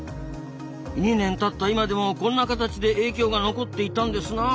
２年たった今でもこんな形で影響が残っていたんですなあ。